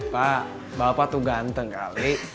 pak bapak tuh ganteng kali